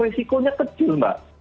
resikonya kecil mbak